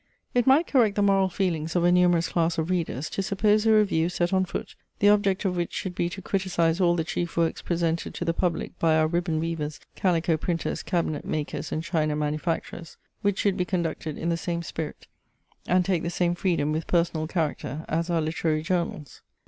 It might correct the moral feelings of a numerous class of readers, to suppose a Review set on foot, the object of which should be to criticise all the chief works presented to the public by our ribbon weavers, calico printers, cabinet makers, and china manufacturers; which should be conducted in the same spirit, and take the same freedom with personal character, as our literary journals.